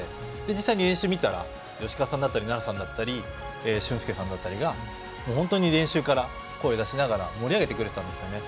実際に練習を見たら能活さんさんだったり楢崎さんだったり俊輔さんだったりが本当に練習から声を出して盛り上げてくれてたんです。